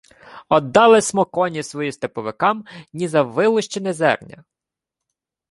— Оддали смо коні свої степовикам ні за вилущене зерня.